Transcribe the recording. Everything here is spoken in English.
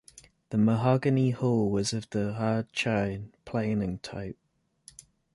The mahogany hull was of the hard chine, planing type.